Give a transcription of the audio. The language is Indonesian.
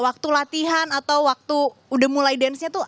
waktu latihan atau waktu udah mulai dance nya tuh